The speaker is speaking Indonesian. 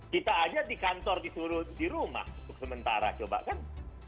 kita aja di kantor disuruh di rumah untuk sementara coba kan